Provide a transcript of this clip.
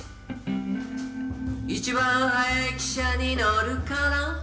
「一番早い汽車に乗るから」